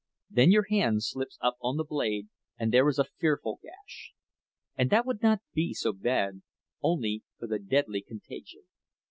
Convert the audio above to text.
Then your hand slips up on the blade, and there is a fearful gash. And that would not be so bad, only for the deadly contagion.